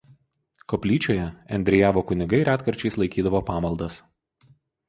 Koplyčioje Endriejavo kunigai retkarčiais laikydavo pamaldas.